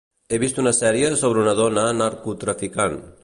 He vist una sèrie sobre una dona narcotraficant.